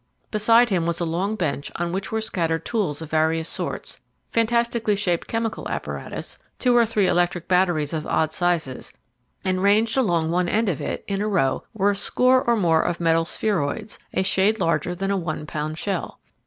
Behind him was a long bench on which were scattered tools of various sorts, fantastically shaped chemical apparatus, two or three electric batteries of odd sizes, and ranged along one end of it, in a row, were a score or more metal spheroids, a shade larger than a one pound shell.